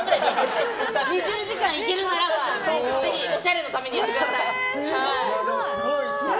２０時間いけるならおしゃれのためにやってください。